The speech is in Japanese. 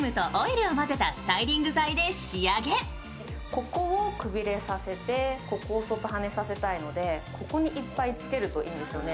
ここをくびれさせてここを外はねさせたいのでここにいっぱいつけるといいんですよね。